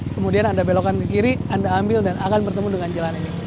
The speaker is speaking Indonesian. kemudian anda belokan ke kiri anda ambil dan akan bertemu dengan jalan ini